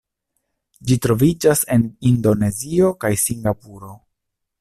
Ĝi troviĝas en Indonezio kaj Singapuro.